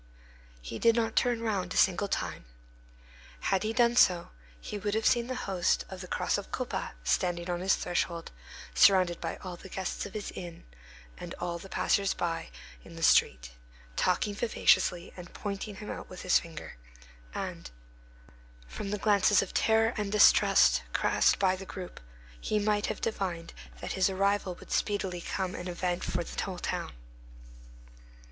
He did not turn round a single time. Had he done so, he would have seen the host of the Cross of Colbas standing on his threshold, surrounded by all the guests of his inn, and all the passers by in the street, talking vivaciously, and pointing him out with his finger; and, from the glances of terror and distrust cast by the group, he might have divined that his arrival would speedily become an event for the whole town.